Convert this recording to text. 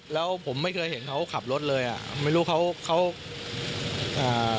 แล้วผมไม่เคยเห็นเขาขับรถเลยอ่ะไม่รู้เขาเขาอ่า